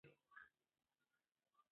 که سکرین وي نو تصویر نه تیریږي.